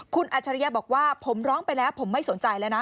คุณอัจฉริยะบอกว่าผมร้องไปแล้วผมไม่สนใจแล้วนะ